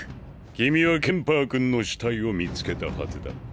君はケンパー君の死体を見つけたはずだ。